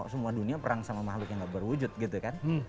semua dunia perang sama makhluk yang gak berwujud gitu kan